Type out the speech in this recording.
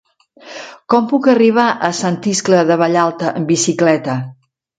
Com puc arribar a Sant Iscle de Vallalta amb bicicleta?